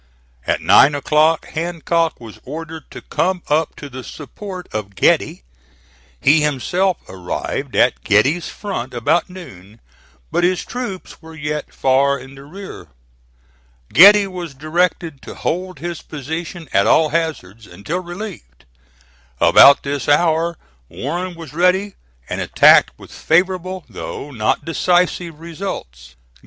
At nine o'clock Hancock was ordered to come up to the support of Getty. He himself arrived at Getty's front about noon, but his troops were yet far in the rear. Getty was directed to hold his position at all hazards until relieved. About this hour Warren was ready, and attacked with favorable though not decisive results.